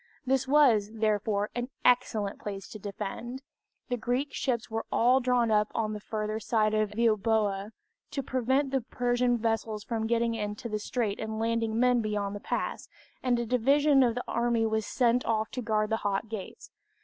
This was, therefore, an excellent place to defend. The Greek ships were all drawn up on the further side of Euboea to prevent the Persian vessels from getting into the strait and landing men beyond the pass, and a division of the army was sent off to guard the Hot Gates.